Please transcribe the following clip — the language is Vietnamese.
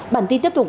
bản tin tiếp tục